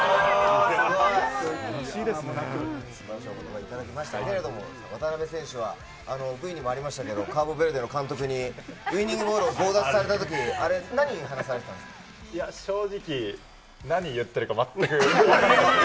そういうことでいただきましたけれども、渡邊選手はＶにもありましたけれども、カーボベルデの監督に、ウイニングボールを強奪されたときに、あれ、何話されてたんですいや、正直、何言ってるか全く。